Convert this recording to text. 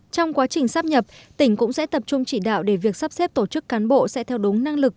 trong quá trình sắp nhập tỉnh cũng sẽ tập trung chỉ đạo để việc sắp xếp tổ chức cán bộ sẽ theo đúng năng lực